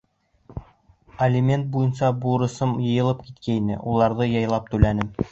Алимент буйынса бурысым йыйылып киткәйне, уларҙы яйлап түләнем.